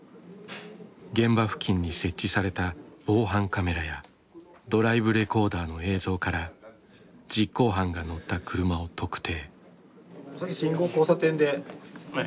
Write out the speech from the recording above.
現場付近に設置された防犯カメラやドライブレコーダーの映像から実行犯が乗った車を特定。